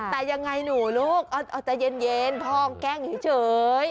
แต่ยังไงหนูลูกเอาใจเย็นพ่อแกล้งเฉย